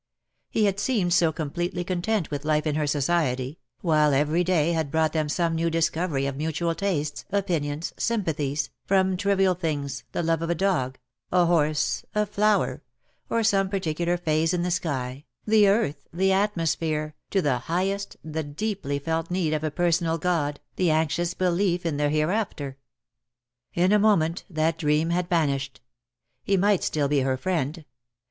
He had seemed so completely content with life in her society, while every day had brought them some new discovery of mutual tastes, opinions, sym pathies, from trivial things, the love of a dog, a horse, a flower, or some particular phase in the sky, the earth, the atmosphere, to the highest, the deeply felt need of a Personal God, the anxious beUef in the Hereafter. In a moment that dream had vanished. He might still be her friend.